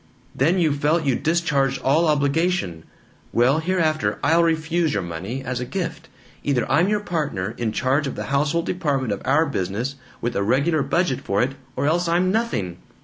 then you felt you'd discharged all obligation. Well, hereafter I'll refuse your money, as a gift. Either I'm your partner, in charge of the household department of our business, with a regular budget for it, or else I'm nothing.